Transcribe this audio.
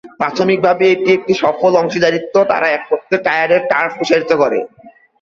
প্রাথমিকভাবে, এটি একটি সফল অংশীদারিত্ব; তারা একত্রে ট্রায়াডের টার্ফ প্রসারিত করে।